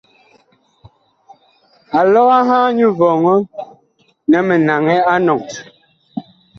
Alɔ a ŋhaa nyu vɔŋɔ nɛ mi naŋɛ a enɔŋ.